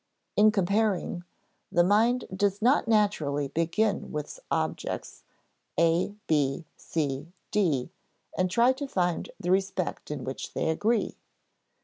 In comparing, the mind does not naturally begin with objects a, b, c, d, and try to find the respect in which they agree.